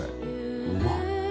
うまっ。